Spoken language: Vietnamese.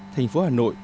thành phố hà nội